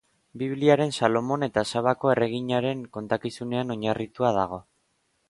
Bibliaren Salomon eta Sabako erreginaren kontakizunean oinarritua dago.